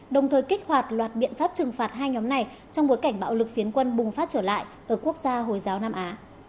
đồng thời kích hoạt loạt biện pháp trừng phạt hai nhóm này trong bối cảnh bạo lực phiến quân bùng phát trở lại ở quốc gia hồi giáo nam á